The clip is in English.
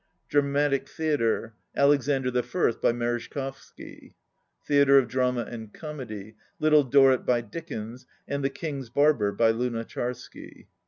Dramatic Theatre. — "Alexander I" by Merezh kovsky. Theatre of Drama and Comedy. — "Little Dorrit" by Dickens and "The King's Barber" by Lu nacharsky.